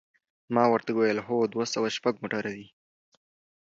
ما ورته وویل: هو، دوه سوه شپږ موټر دی.